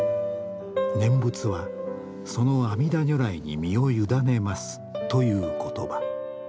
念仏はその阿弥陀如来に身を委ねますという言葉。